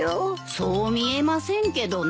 そう見えませんけどね。